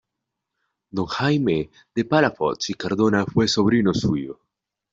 Don Jaime de Palafox y Cardona fue sobrino suyo.